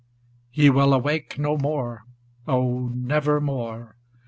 VIII He will awake no more, oh, never more